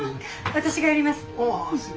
私がやります。